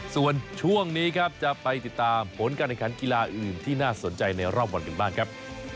ส่วนช่วงนี้ครับจะไปติดตามผลการแข่งขันกีฬาอื่นที่น่าสนใจในรอบวันกันบ้างครับ